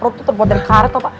perut tuh terbuat dari karet tau pak